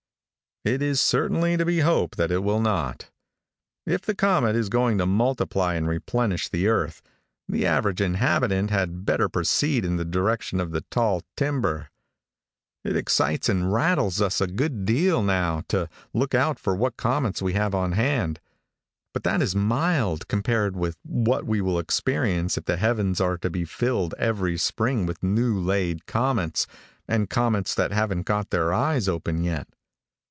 It is certainly to be hoped that it will not. If the comet is going to multiply and replenish the earth, the average inhabitant had better proceed in the direction of the tall timber. It excites and rattles us a good deal now to look out for what comets we have on hand; but that is mild, compared with what we will experience if the heavens are to be filled every spring with new laid comets, and comets that haven't got their eyes open yet.